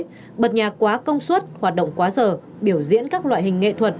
trong thời gian tới bật nhà quá công suất hoạt động quá sở biểu diễn các loại hình nghệ thuật